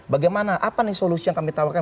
bagaimana apa nih solusi yang kami tawarkan